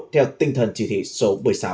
theo tinh thần chỉ thị số một mươi sáu